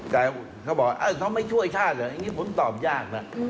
เขาบอกเขาไม่ช่วยชาติเหรออย่างนี้ผมตอบยากนะ